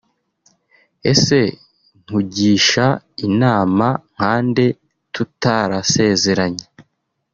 Ese nkugisha inama nkande tutarasezeranye